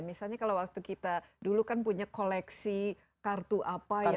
misalnya kalau waktu kita dulu kan punya koleksi kartu apa ya